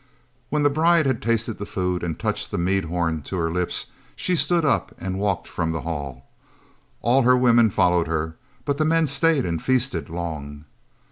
When the bride had tasted the food and touched the mead horn to her lips she stood up and walked from the hall. All her women followed her, but the men stayed and feasted long.